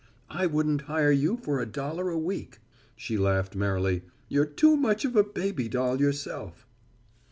I wouldn't hire you for a dollar a week." She laughed merrily. "You're too much of a doll baby yourself."